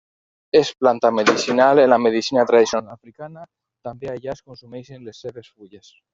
És planta medicinal en la medicina tradicional africana, també allà es consumeixen les seves fulles.